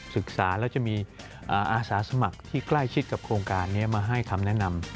ศึกษาแล้วจะมีอาสาสมัครที่ใกล้ชิดกับโครงการนี้มาให้คำแนะนำ